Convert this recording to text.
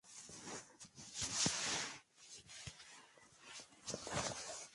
La primera banda en firmar con "Crank!